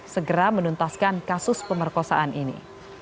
segera menuntaskan kasus pemerkosaan ini